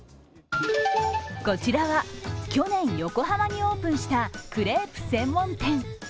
こちらは去年、横浜にオープンしたクレープ専門店。